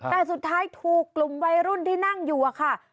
แต่สุดท้ายถูกกลุ่มวัยรุ่นที่นั่งอยู่อะค่ะ